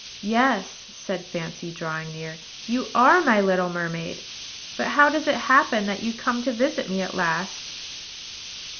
"Yes," said Fancy, drawing near, "you are my little mermaid; but how does it happen that you come to me at last?"